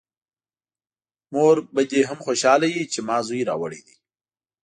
مور به دې هم خوشحاله وي چې ما زوی راوړی دی!